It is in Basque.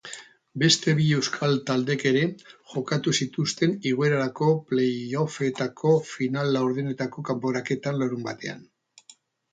Beste bi euskal taldek ere jokatu zituzten igoerako playoffetako final-laurdenetako kanporaketan larunbatean.